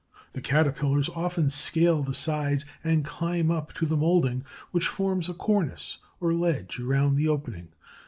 The Caterpillars often scale the sides and climb up to the molding which forms a cornice or ledge around the opening.